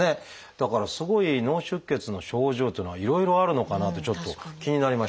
だからすごい脳出血の症状っていうのはいろいろあるのかなってちょっと気になりましたね。